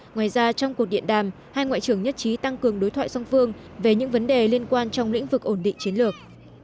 ngoài ra trong cuộc điện đàm hai ngoại trưởng nhất trí tăng cường đối thoại song phương về những vấn đề liên quan trong lĩnh vực ổn định chiến lược